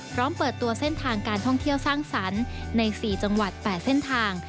พร้อมเปิดตัวเส้นทางการท่องเที่ยวสร้างสรรค์ใน๔จังหวัด๘เส้นทาง